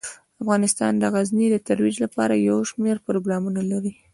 افغانستان د غزني د ترویج لپاره یو شمیر پروګرامونه لري.